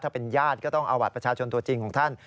ถ้าเป็นญาติก็ต้องเอาบัตรประชาชนตัวจริงของท่าน